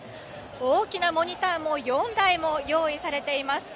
大きなモニターも４台用意されています。